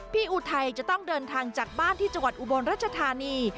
อุทัยจะต้องเดินทางจากบ้านที่จังหวัดอุบลรัชธานี